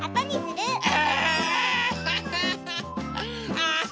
ああ。